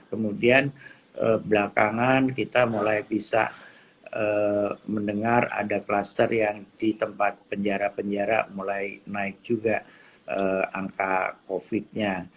kemudian belakangan kita mulai bisa mendengar ada kluster yang di tempat penjara penjara mulai naik juga angka covid nya